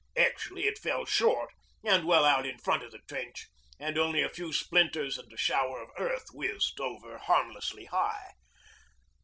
Actually it fell short and well out in front of the trench and only a few splinters and a shower of earth whizzed over harmlessly high.